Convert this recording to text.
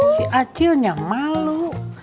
si acilnya malu